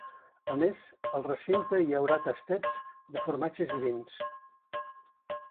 A més, al recinte hi haurà tastets de formatges i vins.